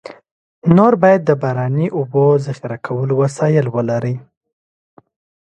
نور باید د باراني اوبو ذخیره کولو وسایل ولري.